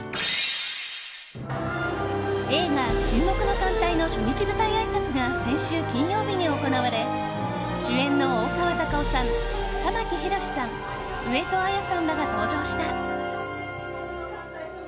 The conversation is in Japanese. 映画「沈黙の艦隊」の初日舞台あいさつが先週金曜日に行われ主演の大沢たかおさん玉木宏さん上戸彩さんらが登場した。